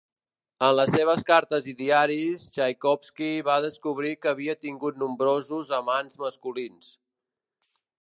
En les seves cartes i diaris, Txaikovski va descobrir que havia tingut nombrosos amants masculins.